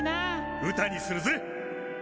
歌にするぜっ。